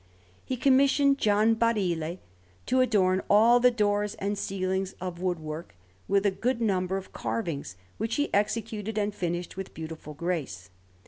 He commissioned Gian Barile to adorn all the doors and ceilings of woodwork with a good number of carvings, which he executed and finished with beautiful grace.